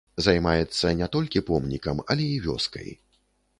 Займаецца не толькі помнікам, але і вёскай.